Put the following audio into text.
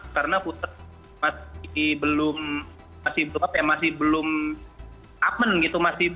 karena food truck masih belum masih belum apa gitu